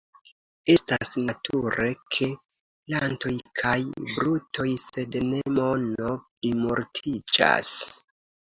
Estas nature ke plantoj kaj brutoj, sed ne mono, plimultiĝas.